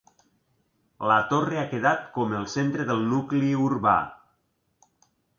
La torre ha quedat com el centre del nucli urbà.